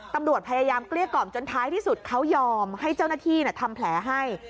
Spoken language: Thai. ตำรวจพยายามเกลี้ยกล่อมจนท้ายที่สุดเขายอมให้เจ้าหน้าที่ทำแผลให้